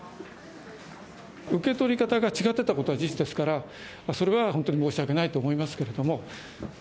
受け取り方が違ってたことは事実ですから、それは本当に申し訳ないと思いますけれども。